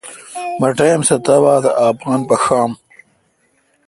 مہ ٹائم سہ تہ باتھ اپان پݭام۔